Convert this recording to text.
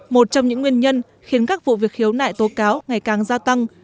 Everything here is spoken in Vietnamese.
một trong những nguyên nhân khiến các vụ việc khiếu nại tố cáo ngày càng gia tăng